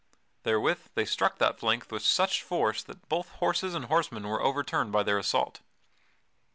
Therewith they struck that flank with such force that both horses and horsemen were overturned by their assault.